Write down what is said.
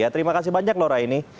terima kasih banyak raini